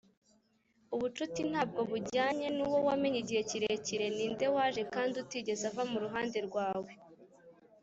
ubucuti ntabwo bujyanye nuwo wamenye igihe kirekire ninde waje kandi utigeze ava muruhande rwawe.